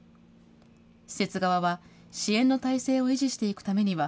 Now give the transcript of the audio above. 施設側は支援の体制を維持していくためには、